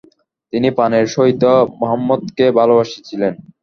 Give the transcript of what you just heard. তিনি প্রাণের সহিত মহম্মদকে ভালোবাসিলেন।